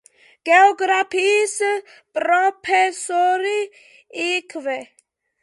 გეოგრაფიის პროფესორი იქვე.